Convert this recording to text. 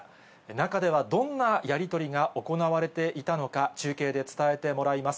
中ではどんなやり取りが行われていたのか、中継で伝えてもらいます。